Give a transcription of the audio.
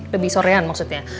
lebih sorean maksudnya